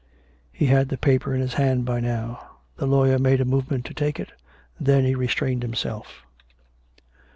He had the paper in his hand by now. The lawyer made a movement to take it. Then he restrained himself.